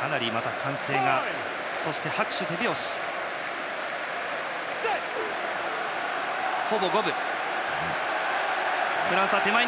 かなりまた歓声がそして拍手と手拍子も。